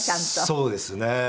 そうですね。